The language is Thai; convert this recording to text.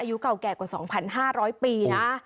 อายุเก่าแก่กว่า๒๕๐๐ปีนะ